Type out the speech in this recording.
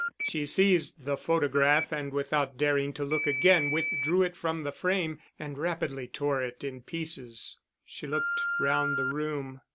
She seized the photograph and without daring to look again, withdrew it from the frame and rapidly tore it in pieces. She looked round the room.